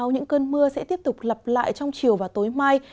những cơn mưa sẽ tiếp tục lặp lại trong chiều và tối mai